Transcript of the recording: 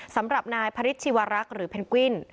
สำหรับนายพระฤทธิวรักษ์หรือเพนกวิน